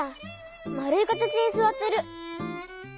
まるいかたちにすわってる。